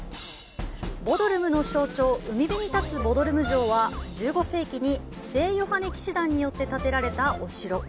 ボドルムの象徴、海辺に建つボドルム城は、１５世紀に聖ヨハネ騎士団によって建てられたお城。